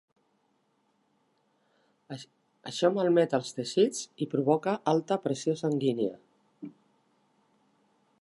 Això malmet els teixits i provoca alta pressió sanguínia.